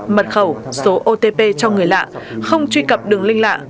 mật khẩu số otp cho người lạ không truy cập đường link lạ